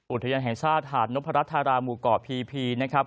อุทยานแห่งชาติหาดนพรัชธาราหมู่เกาะพีพีนะครับ